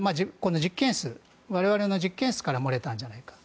我々の実験室から漏れたんじゃないかと。